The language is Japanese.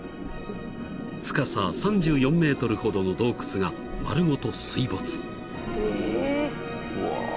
［深さ３４ｍほどの洞窟が丸ごと水没］